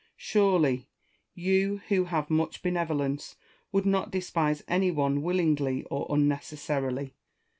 Surely, you who have much benevolence would not despise any one willingly or unnecessarily.